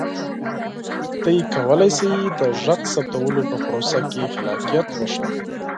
تاسو کولی شئ د غږ ثبتولو په پروسه کې خلاقیت وښایئ.